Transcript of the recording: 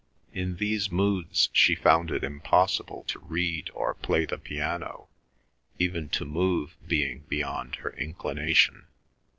In these moods she found it impossible to read or play the piano, even to move being beyond her inclination.